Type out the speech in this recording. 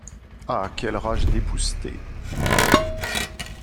Ah ! quelle rage d’épousseter !